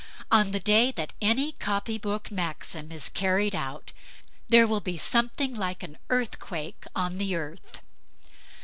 On the day that any copybook maxim is carried out there will be something like an earthquake on the earth.